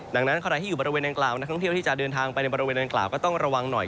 ดังนั้นที่เที่ยวไปในบริเวณอันกล่าวก็ต้องระวังหน่อย